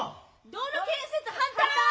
道路建設反対！